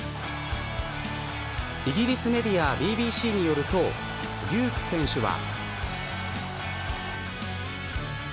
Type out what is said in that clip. イギリスメディアＢＢＣによるとデューク選手は。